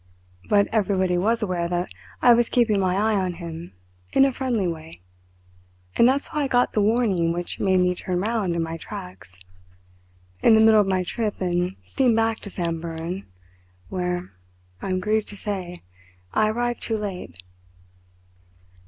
But everybody was aware that I was keeping my eye on him in a friendly way. And that's how I got the warning which made me turn round in my tracks. In the middle of my trip and steam back to Samburan, where, I am grieved to say, I arrived too late."